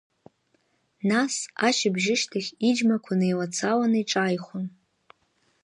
Нас ашьыбжьышьҭахь иџьмақәа неила-цаланы иҿааихон.